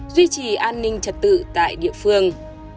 duy trì an ninh trật tự tại địa phương